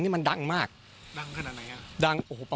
พ่อโทษ